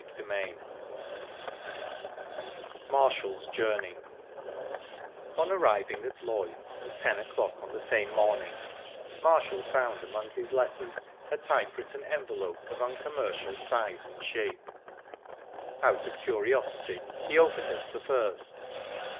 Chapter XX MARSHALL'S JOURNEY On arriving at Lloyd's at ten o'clock on the same morning, Marshall found among his letters a typewritten envelope of uncommercial size and shape. Out of curiosity, he opened it the first.